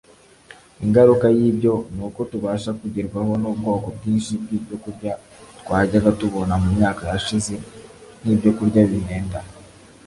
ingaruka y'ibyo, ni uko tubasha kugerwaho n'ubwoko bwinshi bw'ibyokurya twajyaga tubona mu myaka yashize nk'ibyokurya bihenda